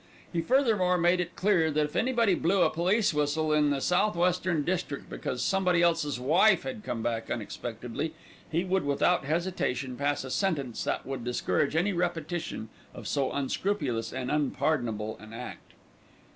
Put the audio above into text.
He furthermore made it clear that if anybody blew a police whistle in the south western district because somebody else's wife had come back unexpectedly, he would without hesitation pass a sentence that would discourage any repetition of so unscrupulous and unpardonable an act.